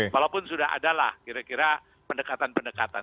walaupun sudah ada lah kira kira pendekatan pendekatan